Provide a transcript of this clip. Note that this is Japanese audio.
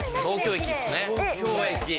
東京駅。